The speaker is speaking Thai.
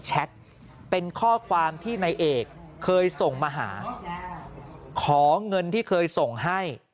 เป็นข้อความที่นายเอกเคยส่งมาหาขอเงินที่เคยส่งให้